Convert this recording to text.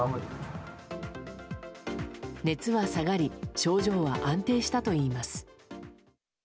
熱は下がり症状は安定したといいます。